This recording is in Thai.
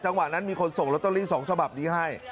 วะนั้นมีคนส่งลอตเตอรี่๒ฉบับนี้ให้